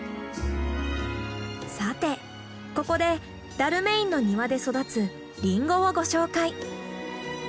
さてここでダルメインの庭で育つリンゴをご紹介。